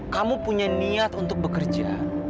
kamu punya niat untuk bekerja